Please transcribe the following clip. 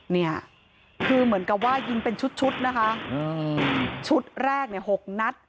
เนี่ยคือเหมือนกับว่ายิงเป็นชุดชุดนะคะชุดแรกเนี่ย๖นัด